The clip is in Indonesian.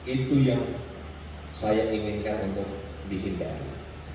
itu yang saya inginkan untuk dihindari